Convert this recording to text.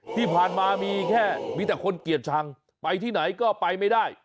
ที่ผ่านมามีแค่มีแต่คนเกลียดชังไปที่ไหนก็ไปไม่ได้